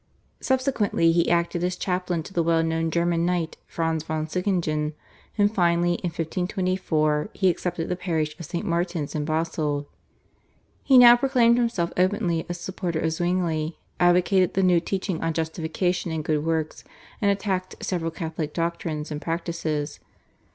Subsequently he acted as chaplain to the well known German knight, Franz von Sickingen, and finally, in 1524, he accepted the parish of St. Martin's in Basle. He now proclaimed himself openly a supporter of Zwingli, advocated the new teaching on justification and good works, and attacked several Catholic doctrines and practices.